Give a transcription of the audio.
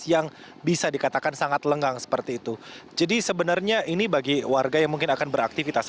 yang bisa dikatakan sangat lengang seperti itu jadi sebenarnya ini bagi warga yang mungkin akan beraktivitas